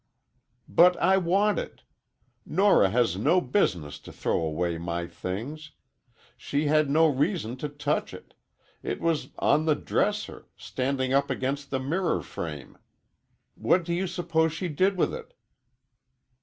"But I want it! Nora has no business to throw away my things! She had no reason to touch it; it was on the dresser—standing up against the mirror frame. What do you suppose she did with it?"